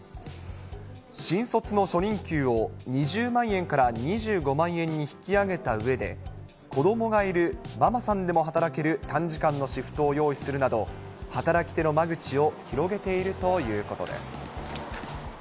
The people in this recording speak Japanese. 新卒の初任給を２０万円から２５万円に引き上げたうえで、子どもがいるママさんでも働ける短時間のシフトを用意するなど、働き手の間口を広げているということです。